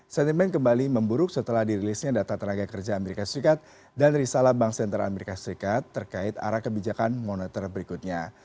sentimen kembali memburuk setelah dirilisnya data tenaga kerja as dan risalah bank sentera as terkait arah kebijakan monitor berikutnya